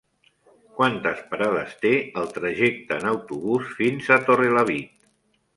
Quantes parades té el trajecte en autobús fins a Torrelavit?